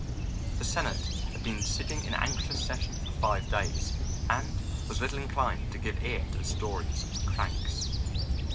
The Senate had been sitting in anxious session for five days, and was little inclined to give ear to the stories of cranks.